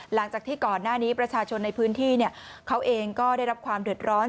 หลังจากที่ก่อนหน้านี้ประชาชนในพื้นที่เขาเองก็ได้รับความเดือดร้อน